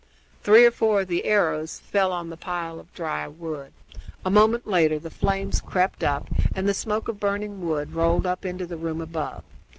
Three or four of the arrows fell on the pile of dry wood. A moment later the flames crept up and the smoke of burning wood rolled up into the room above.